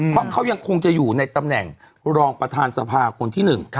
เพราะเขายังคงจะอยู่ในตำแหน่งรองประธานสภาคนที่๑